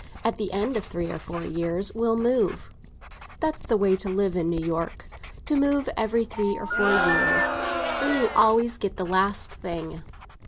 At the end of three or four years we'll move. That's the way to live in New York—to move every three or four years. Then you always get the last thing.